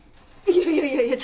いやいやいや。